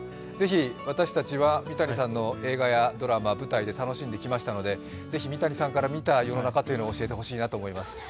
ぜひ私たちは三谷さんの映画やドラマ、舞台で楽しんできましたのでぜひ三谷さんから見た世の中を教えてほしいと思います。